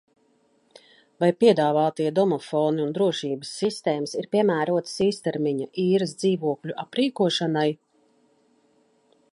Vai piedāvātie domofoni un drošības sistēmas ir piemērotas īstermiņa īres dzīvokļu aprīkošanai?